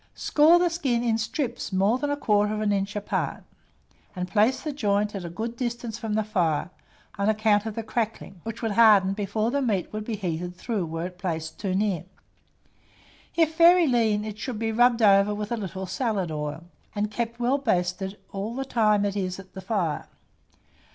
Score the skin in strips rather more than 1/4 inch apart, and place the joint at a good distance from the fire, on account of the crackling, which would harden before the meat would be heated through, were it placed too near. If very lean, it should be rubbed over with a little salad oil, and kept well basted all the time it is at the fire.